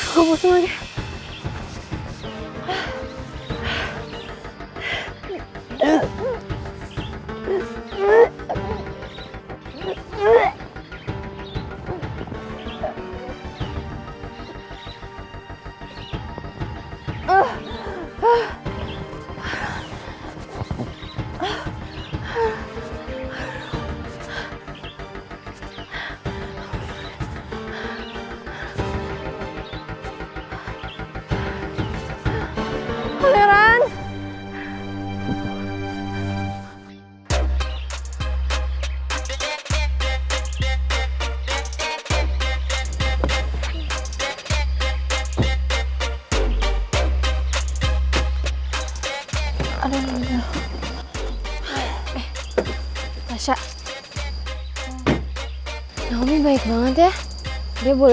gue mau semuanya